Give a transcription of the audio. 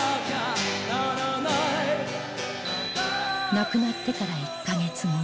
亡くなってから１カ月後